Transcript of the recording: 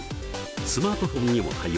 スマートフォンにも対応。